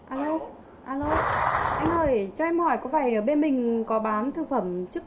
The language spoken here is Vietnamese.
alo alo anh ơi cho em hỏi có phải ở bên mình có bán thức phẩm chữa bệnh